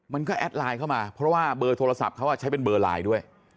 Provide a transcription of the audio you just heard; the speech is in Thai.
แอดไลน์เข้ามาเพราะว่าเบอร์โทรศัพท์เขาใช้เป็นเบอร์ไลน์ด้วย